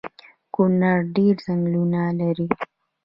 کونړ ډیر ځنګلونه لري